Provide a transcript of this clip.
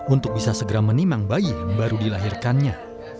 untuk bisa segera menimang bayi yang baru dilahirkannya